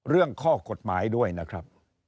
เรื่องข้อกฎหมายด้วยนะครับ